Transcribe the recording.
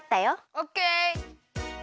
オッケー！